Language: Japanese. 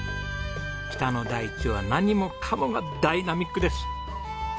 北の大地は何もかもがダイナミックです。